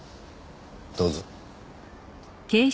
どうぞ。